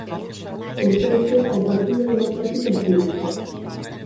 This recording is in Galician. Pertence ao Partido Democrático Cívico.